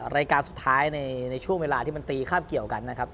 รายการสุดท้ายในช่วงเวลาที่มันตีคาบเกี่ยวกันนะครับ